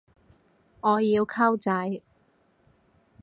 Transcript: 我要溝仔